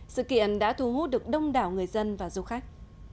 sự kiện đã thu hút được đông đảo người dân và du khách